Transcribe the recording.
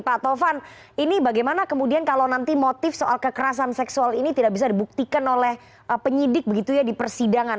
pak tovan ini bagaimana kemudian kalau nanti motif soal kekerasan seksual ini tidak bisa dibuktikan oleh penyidik begitu ya di persidangan